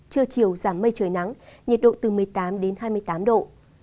trưa chiều giảm mây trời nắng nhiệt độ từ một mươi tám đến hai mươi tám độ